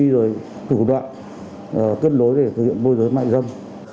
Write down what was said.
rồi thủ đoạn kết nối để thực hiện môi giới mại dâm